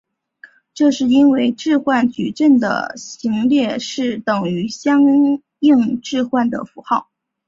这是因为置换矩阵的行列式等于相应置换的符号。